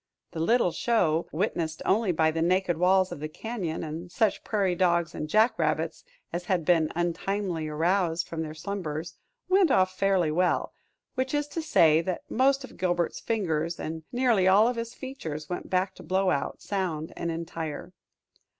The little show, witnessed only by the naked walls of the cañon and such prairie dogs and jack rabbits as had been untimely aroused from their slumbers, went off fairly well which is to say that most of Gilbert's fingers and nearly all of his features went back to Blowout sound and entire.